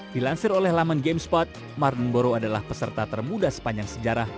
dilansir oleh laman gamespot marnu adalah peserta termuda sepanjang sejarah